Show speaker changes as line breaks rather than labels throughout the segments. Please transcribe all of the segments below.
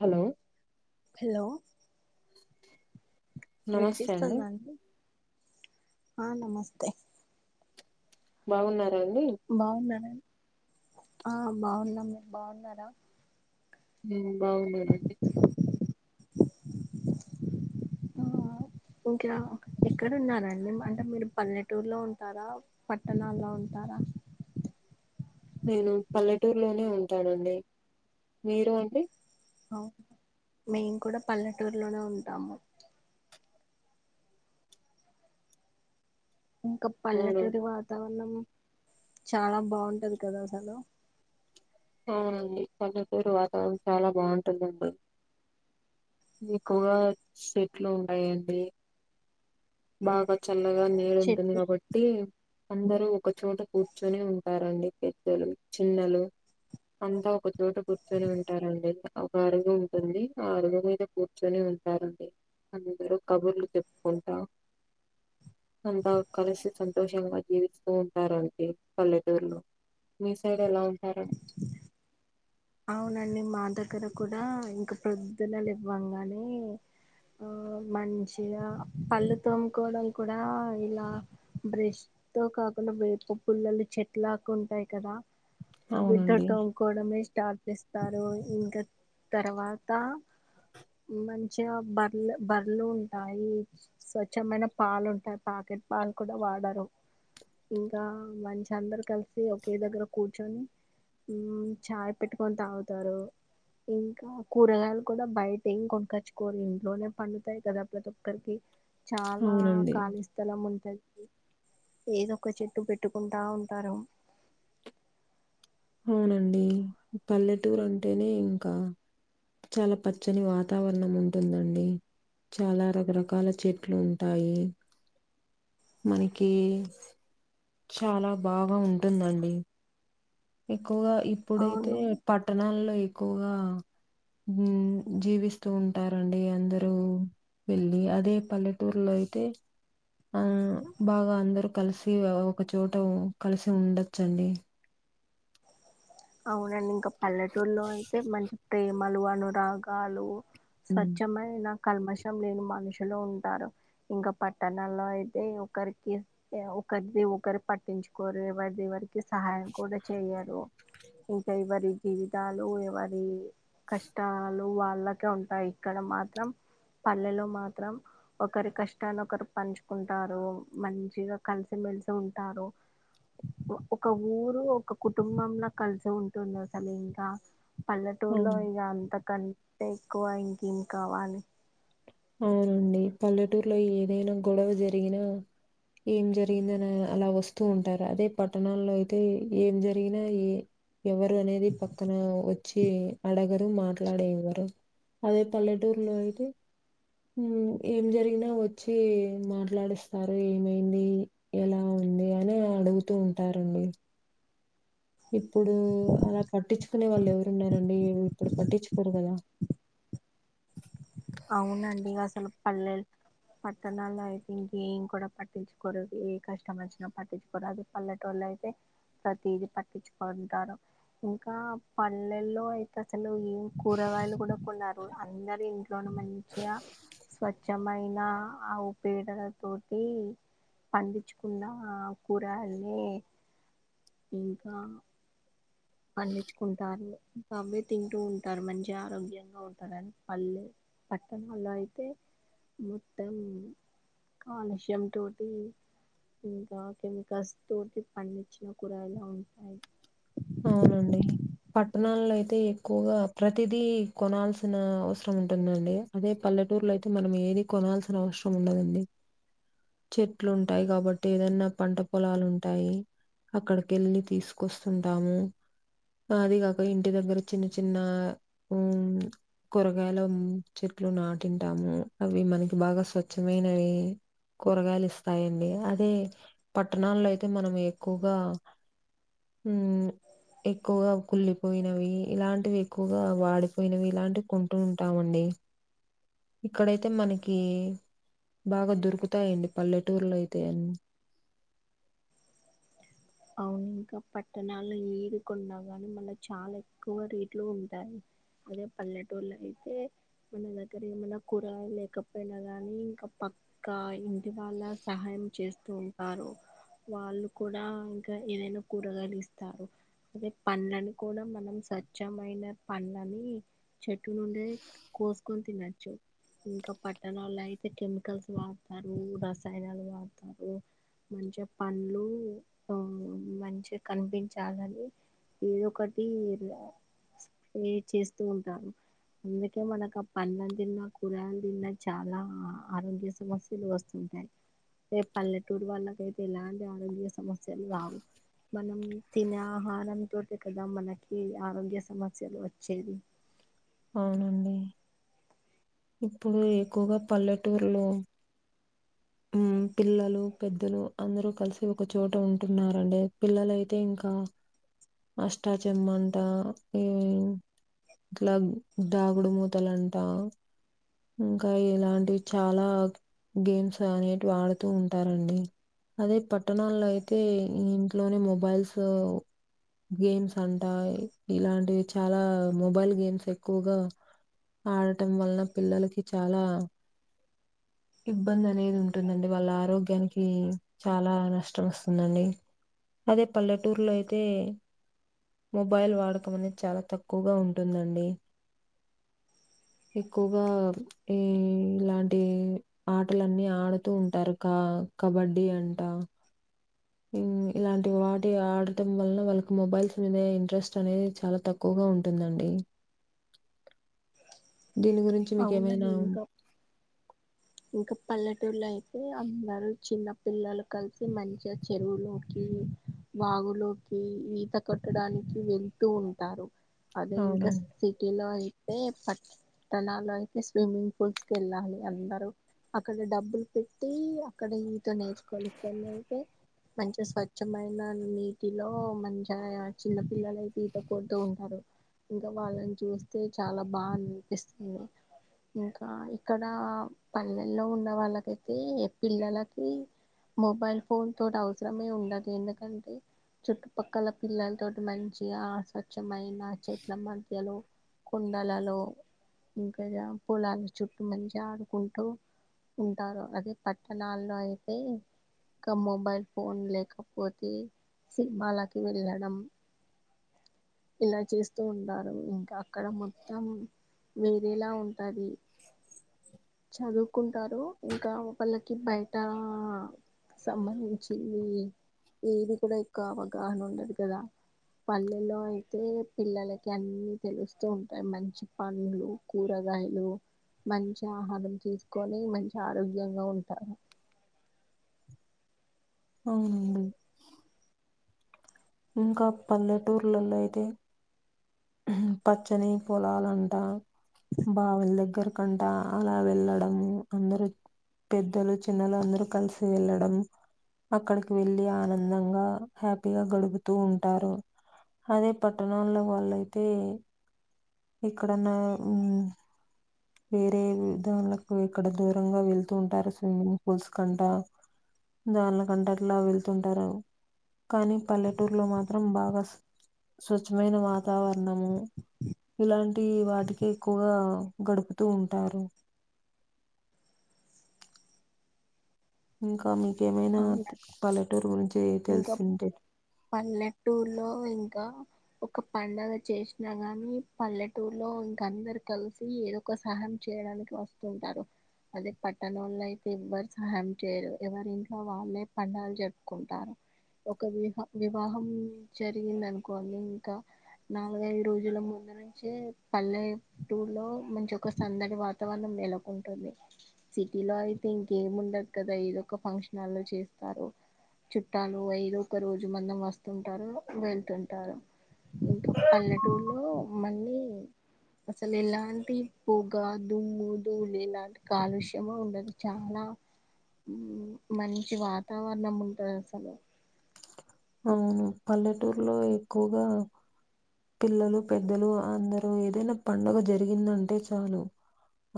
Hello
hello
నమస్తే అండి
వినిపిస్తుందండి ఆ నమస్తే
బాగున్నాన్
బాగున్నారా ఆ బాగున్నాం మీరు బాగున్నారా
మీము బాగున్నామండి
[unintelligible] ఎక్కడ ఉన్నారండి అంటే మీరు పల్లెటూరులో ఉంటారా పట్టణాల్లో ఉంటారా
నేను పల్లెటూరులోనే ఉంటానండి మీరు అండి
మేము కూడా పల్లెటూరులోనే ఉంటాము ఇంకా
అవును
పల్లెటూరి వాతావరణం చాలా బాగుంటది కదా అసలు
అవునండి పల్లెటూరు వాతావరణం చాలా బాగుంటుందండి ఎక్కువగా చెట్లు ఉంటాయండి బాగా చల్లగా అలాగే నీడ ఉంటుంది
చెట్టు
కాబట్టి అందరు ఒకచోట కూర్చొని ఉంటారండి పెద్దలు చిన్నలు అంతా ఒకచోట కూర్చొని ఉంటారండి ఒక అరుగు ఉంటుంది ఆ అరుగు మీద కూర్చొని ఉంటారండి అందరు కబుర్లు చెప్పుకుంటా అంతా కలిసి సంతోషంగా జీవిస్తూ ఉంటారండి పల్లెటూరులో మీ సైడ్ ఎలా ఉంటారండి
అవునండి మా దగ్గర కూడా ఇంకా ప్రొద్దున లేవంగానే ఆ మంచిగా పళ్ళు తోముకోవడం కూడా ఇలా బ్రష్ తో కాకుండా వేప పుల్లలు చెట్లకి ఉంటాయి కదా
అవునండి
[unintelligible] చేపిస్తాడు ఇంకా తర్వాత ఇగ బర్లు బర్లు ఉంటాయి స్వచ్ఛమైన పాలు ఉంటాయి ప్యాకెట్ పాలు కూడా వాడారు ఇంకా మంచి అందరు కలిసి ఒకే దగ్గర కూర్చొని మ్మ్ చాయ్ పెట్టుకొని తాగుతారు ఇంకా కూరగాయలు కూడా బయట ఏం కొనుక్కోచ్చుకోరు ఇంట్లోనే పండుతాయి కదా ప్రతి ఒక్కరికి చాలా
అవునండి
ఖాళీ స్థలం ఉంటది ఏదో ఒక చెట్టు పెట్టుకుంటా ఉంటారు
అవునండి పల్లెటూరు అంటేనే ఇంకా చాలా పచ్చని వాతావరణం ఉంటుందండి చాలా రకరకాల చెట్లు ఉంటాయి మనకి చాలా బాగా ఉంటుందండి ఎక్కువగా ఇప్పుడైతే
అవును
పట్టణాల్లో ఎక్కువగా జీవిస్తూ ఉంటారండి అందరూ వెళ్లి అదే పల్లెటూరులో అయితే ఆ బాగా అందరు కలిసి ఒకచోట కలిసి ఉండచ్చండి
అవునండి ఇంకా పల్లెటూరులో అయితే మంచి ప్రేమలు అనురాగాలు
హ్మ్.
స్వచ్ఛమైన కల్మషం లేని మనుషులు ఉంటారు ఇంకా పట్టణాలో అయితే ఒకరికి ఒకరు పట్టించుకోరు ఎవరిది వారికి సహాయం కూడా చెయ్యరు ఇంకా ఎవరి జీవితాలు ఎవరి కష్టాలు వాళ్ళకే ఉంటాయి ఇక్కడ మాత్రం పల్లెలో మాత్రం ఒకరి కష్టాన్ని ఒకరు పంచుకుంటారు మంచిగా కలిసి ఉంటారు ఒక ఊరు ఒక కుటుంబంల కలిసి ఉంటుంది అసలు ఇంకా పల్లెటూరులో
హ్మ్.
ఇంక అంత కంటే ఎక్కువ ఇంకేం కావాలి
అవునండి పల్లెటూరులో ఏదైనా గొడవ జరిగినా ఏం జరిగిందని అలా వస్తూ ఉంటారు అదే పట్టణాల్లో అయితే ఏం జరిగినా ఎవరు అనేది పక్కన వచ్చి అడుగరు మాట్లాడరు ఎవ్వరు అదే పల్లెటూర్లో అయితే ఉమ్ ఏం జరిగినా వచ్చీ మాట్లాడిస్తారు ఏమైంది ఎలావున్ ఉంది అని అడుగుతూ ఉంటారండి ఇప్పుడు అలా పట్టిచ్చుకునే వాళ్ళు ఎవరున్నారండి ఇప్పుడు పట్టించుకోరు గదా
అవునండి అసలు పల్లెల్ పట్టనాళ్ళ ఐతింకేం కూడ పట్టించుకోరు ఏ కష్టమచ్చిన పట్టించుకోరు అదే పల్లెటూర్ల అయితే ప్రతీది పట్టించుకుంటారు ఇంకా పల్లెల్లో అయితే అసలు ఏం కూరగాయలు కూడ కొనరు అందరు ఇంట్ ట్లోనే మంచిగా స్వచ్ఛమైన ఆవు పేడల తోటి పండిచ్చుకున్న కూరగయల్ని ఇంకా పండిచ్చుకుంటారు ఇంకవ్వే తింటూ ఉంటారు మంచిగా ఆరోగ్యంగా ఉంటారని పళ్ళె పట్టణాల్లో అయితే మొత్తం కాలుష్యం తోటి ఇంకా కెమికల్స్ తోటి పండించిన కూరగాయలే ఉంటాయి
అవునండి పట్టణాల్లయితే ఎక్కువగా ప్రతిదీ కొనాల్సిన అవసరం ఉంద్ ఉంటుందండి అదే పల్లెటూర్లో అయితే మనం ఏది కొనాల్సిన అవసరం ఉండదండి చెట్లూంటాయి కాబట్టి ఏదన్న పంట పొలాలు ఉంటాయి అక్కడికెళ్ళి తీసుకొస్తుంటాము అది గాక ఇంటి దగ్గర చిన్న చిన్న ఉమ్ కూరగాయలుం ట్లున్న తిన్టాము అవి మనకి బాగా స్వచ్ఛమైనవి కూరగాయలిస్తాయండి అదే పట్టణాల్లో అయితే మనం ఎక్కువగా ఉమ్ ఎక్కువగా కుళ్ళిపోయినవి ఇలాంటివి ఎక్కువగా వాడిపోయినవి ఇలాంటివి కొంటూ ఉంటామండి. ఇక్కడైతే మనకి బాగా దొరుకుతాయండి పల్లెటూర్లో అయితే అన్
అవునింకా పట్టణాల్లో ఏది కొన్నా గానీ మళ్ళా చాలా ఎక్కువ రేట్లు ఉంటాయి. అదే పల్లెటూర్ల అయితే మన దగ్గర ఏమన్నా కూరగాయలేకపోయినా గానీ ఇంకా పక్క ఇంటి వాళ్ళ సహాయం చేస్తూ ఉంటారు వాళ్ళు కూడా గ ఏదైనా కూరగాలు ఇస్తారు అదే పండ్లను కూడా మనం స్వచ్ఛమైన పండ్లని చెట్టు నుండే కోసుకొని తినొచ్చు ఇంక పట్టణాల్లో అయితే కెమికల్స్ వాడతారు రసాయనాలు వాడతారు మంచిగ పండ్లు ఆ మంచిగ కనిపించాలని ఏదోకటి స్ప్రే చేస్తూ ఉంటారు అందుకే మనక పండ్లను తిన్నా, కూరగాయలు తిన్నా చాలా ఆరోగ్య సమస్యలు వస్తుంది అదే పల్లెటూరు వాళ్ళకయితే ఎలాంటి ఆరోగ్య సమస్యలు రావు మనం తినే ఆహారంతోటె కదా మనకి ఆరోగ్య సమస్యలు వచ్చేది.
అవునండి ఇప్పుడు ఎక్కువగా పల్లెటూరులో పిల్లలు పెద్దలు అందరూ కలిసి ఒక చోట ఉంటున్నరండి పిల్లలఅయితే ఇంకా అష్టాచెమ్మంటా ఈ ట్ల దాగుడు మూతలమ్టా ఇంకా ఇలాంటివి చాలా గేమ్స్ అనేటివి ఆడుతూ ఉంటారండి అదే పట్టణాల్లో అయితే ఇంట్లోనే మొబైల్స్ గేమ్స్ అంటా, ఇలాంటివి చాలా మొబైల్ గేమ్స్ ఎక్ క్కువగా ఆడటం వలన పిల్లలకి చాలా ఇబ్బందనేది ఉంటుందండి, వాళ్ళ ఆరోగ్యానికి చాలా నష్టం వస్తుందండి. అదే పల్లెటూరులో అయితే మొబైల్ వాడకం అనేది చాలా తక్కువగా ఉంటుందండి. ఎక్కువగా ఈ ఇలాంటి ఆటలన్నీ ఆడుతూ ఉంటారు కా కబడ్డీ అంటా. [unintelligible] ఇలాంటి వాటి ఆడటం వలన వాళ్ళకు మొబైల్స్ మీద ఇంట్రెస్ట్ అనేది చాలా తక్కువుగా ఉంటుందండి. [inaudible] దీని గురించి మీకేమైనా
ఇంక పల్లెటూరులో అయితే అందరూ చిన్న పిల్లలు కలిసి మంచిగ చెరువులోకి
[inaudible]
వాగులోకి ఈత కొట్టడానికి వెళ్తూ ఉంటారు. అదే ఇంక
అవునండి.
సిటీలో అయి తే పట్టణాల్లో అయితే స్విమ్మింగ్ పూల్స్ కెళ్ళాలి అందరూ అక్కడ డబ్బుల్ పెట్టీ అక్కడ ఈత నేర్చుకోవలి ఇక్కన్నైతే మంచిగ స్వచ్ఛమైన నీటిలో మంచిగా చిన్న పిల్లలయితే ఈత కొడుతూ ఉంటారు. ఇంక వాళ్ళను చూస్తే చాలా బా అనిపిస్తుంది. ఇంకా ఇక్కడా పల్లెల్లో ఉన్న వాళ్ళకైతే పిల్లలకి మొబైల్ ఫోన్ తోటవసరమే ఉండదు ఎందుకంటే చుట్టుపక్కల పిల్లలతోటి మంచిగా స్వచ్ఛమైన చెట్ల మధ్యలో కొండలలో ఇంక పొలాల చుట్టూ మంచిగ ఆడు కుంటూ ఉంటారు. అదే పట్టణాల్లో అయితే ఇంక మొబైల్ ఫోన్ లేకపోతే సినిమాలకి వెళ్ళడం ఇలా చేస్తూ ఉంటారు ఇంకా అక్కడ మొత్తం వేరేలా ఉంటాది. చదువుకుంటారు ఇంకా వాళ్ళకి బైటా సంబంధించివి ఏది కూడ ఎక్కో అవగాహన ఉండదు కదా. పల్లెల్లో అయితే పిల్లలకి అన్నీ తెలుస్తూ ఉంటాయి. మంచి పండ్లు కూర గాయలు మంచి ఆ ఆహారం తీసుకోనీ మంచి ఆరోగ్యంగా ఉంటారు.
అవునండి. ఇంకా పల్లెటూర్లల్లో అయితే పచ్చనీ పొలాలంటా బావుల్ దగ్గరికంటా అలా వెళ్ళడము అందరూ పెద్దలూ చిన్నలూ అందరూ కలిసి వెళ్ళడం. అక్కడికి వెళ్లి ఆనందంగా హ్యాపీగా గడుపు తూ ఉంటారు. అదే పట్టణాల్లో వాళ్ళయితే ఇక్కడన్నా మ్మ్ వేరే విధానులకు ఇక్కడ దూరంగా వెళ్తూ ఉంటారు. స్విమ్మింగ్ పూల్స్ కంటా దానిలకంట అట్లా వెళ్తుంటారూ. కానీ పల్లెటూరులో మాత్రం బాగా స్ స్వచ్ఛమైన వాతావరణము ఇలాంటి వాటికే ఎక్కువగా గడుపుతూ ఉంటారు. ఇంకా మీకేమైనా
అవునా?
పల్లెటూరు గురించి తెలిసుంటే
పల్లెటూర్లో ఇంకా ఒక్క పండగ చేషినా గానీ పల్లెటూర్లో ఇంక అందరు కలిసి ఏదొక సహా చేయ్యడానికి ఒస్తుంటారు. అదే పట్టణాల్లో అయితే ఎవ్వరు సహాయం చేయరు ఎవరిం ట్లో వాళ్ళే పండగలు జరుపుకుంటారు. ఒక విహ వివాహం జరిగిందనుకోండి ఇంకా నాలుగైదు రోజుల ముందు నుంచే పల్లె టూర్లో మంచి ఒక సందడి వాతావరణం నెలకొంటుంది సిటీలో అయితే ఇంకేం ఉండదు కదా ఏదొక ఫంక్షన్ హాల్లో చేస్తారు. చుట్టాలు ఐదో ఒక రోజు మందం వస్తుంటారు వెళ్తుంటారు. ఇంక పల్లెటూర్లో మళ్ళీ అసలు ఎలాంటి పొగ దుమ్ము ధూళ ఇలాంటి కాలుష్యము ఉండదు చాలా మంచి వాతావరణం ఉంటది అసలు
అవును పల్లెటూరులో ఎక్కువగా పిల్లలు పెద్దలు అందరూ ఏదైనా పడుగ జరిగిందంటే చాలు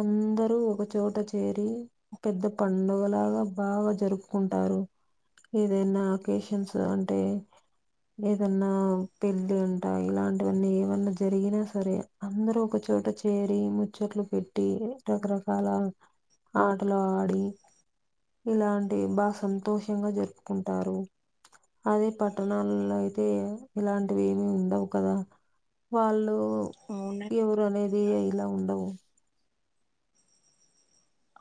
అందరూ ఒక చోట చేరి పెద్ద పండుగలాగా బాగా జరుపుకుంటారు దరు ఏదైనా అకేషన్స్ అంటే ఏదన్నా పెళ్లి ఉంటాయి ఇలాంటివన్నీ ఏవన్నా జరిగినా సరే అందరుూ ఒకచోట చేరి ముచ్చట్లు పెట్టి రకరకాల ఆటలు ఆడి ఇలాంటి బా సంతోషంగా జరుపుకుంటారు అదే పట్టణాల్లో అయితే ఇలాంటివి ఏమి ఉండవు కదా వాళ్ళు
అవును
ఎవరు అనేది ఇలా ఉండవు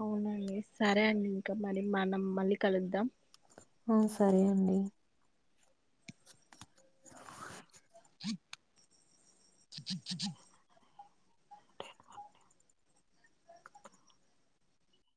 అవునండి సరే అండి ఇంకా మరి మనం మళ్ళీ కలుద్దాం
ఆ సరే అండి